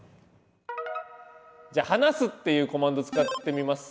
じゃあ「はなす」っていうコマンド使ってみます。